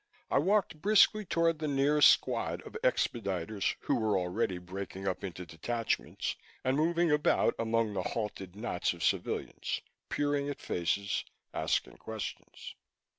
I walked briskly toward the nearest squad of expediters, who were already breaking up into detachments and moving about among the halted knots of civilians, peering at faces, asking questions.